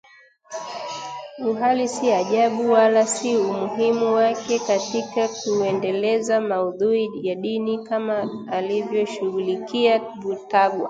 uhalisiajabu wala si umuhimu wake katika kuendeleza maudhui ya dini kama alivyoshughulikia Vutagwa